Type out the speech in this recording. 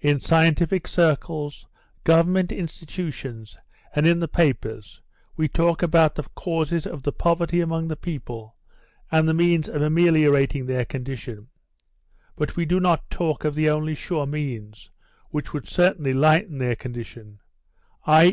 In scientific circles, Government institutions, and in the papers we talk about the causes of the poverty among the people and the means of ameliorating their condition; but we do not talk of the only sure means which would certainly lighten their condition, i.